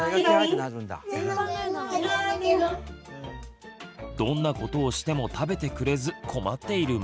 どんなことをしても食べてくれず困っているママ。